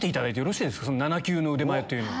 ７級の腕前というのを。